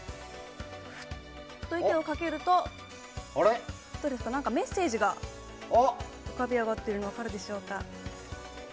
ふっと息をかけると何かメッセージが浮かび上がっているのが分かるでしょうか。